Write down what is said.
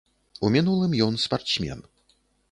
У мінулым ён спартсмен.